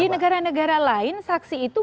di negara negara lain saksi itu